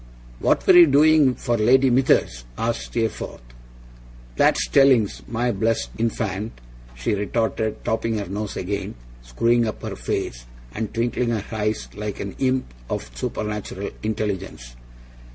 'What were you doing for Lady Mithers?' asked Steerforth. 'That's tellings, my blessed infant,' she retorted, tapping her nose again, screwing up her face, and twinkling her eyes like an imp of supernatural intelligence.